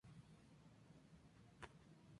Un segundo grupo fue atacado el día siguiente.